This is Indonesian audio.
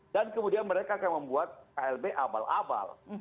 dan kemudian mereka akan membuat klb abal abal